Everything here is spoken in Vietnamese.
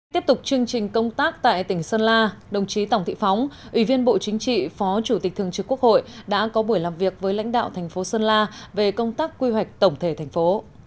tiếp tục chương trình công tác tại tỉnh sơn la đồng chí tổng thị phóng ủy viên bộ chính trị phó chủ tịch thường trực quốc hội đã có buổi làm việc với lãnh đạo thành phố sơn la về công tác quy hoạch tổng thể thành phố